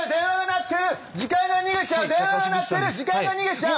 時間が逃げちゃう。